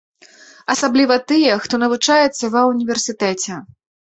Асабліва тыя, хто навучаецца ва ўніверсітэце.